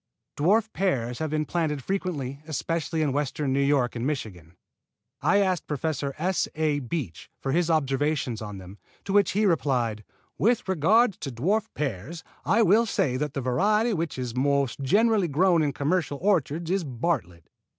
Dwarf pears have been planted frequently, especially in Western New York and Michigan. I asked Professor S. A. Beach for his observations of them, to which he replied: "With regard to dwarf pears I will say that the variety which is most generally grown in commercial orchards is Bartlett.